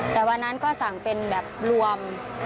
แต่วันนั้นก็สั่งเป็นแบบรวม